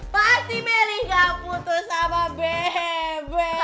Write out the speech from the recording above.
pasti melih gak putus sama bebe